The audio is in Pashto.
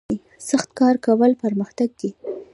سخت کار کول پرمختګ دی